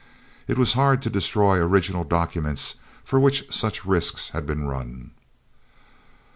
It was hard to destroy original documents for which such risks had been run!